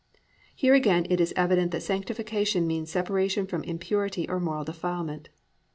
"+ Here again it is evident that Sanctification means separation from impurity or moral defilement.